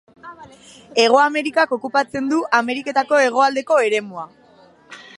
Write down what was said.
Hego Amerikak okupatzen du Ameriketako hegoaldeko eremua.